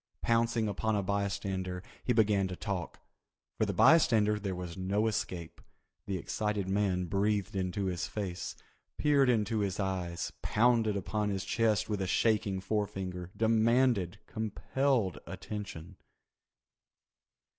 Pouncing upon a bystander he began to talk. For the bystander there was no escape. The excited man breathed into his face, peered into his eyes, pounded upon his chest with a shaking forefinger, demanded, compelled attention.